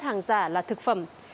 hàng giả là thực phẩm